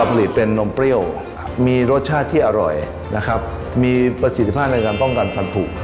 ผลิตเป็นนมเปรี้ยวมีรสชาติที่อร่อยนะครับมีประสิทธิภาพในการป้องกันฟันผูก